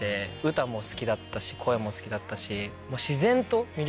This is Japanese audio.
歌も好きだったし声も好きだったし。